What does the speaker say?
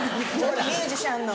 ミュージシャンの。